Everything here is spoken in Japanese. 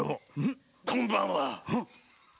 こんばんは。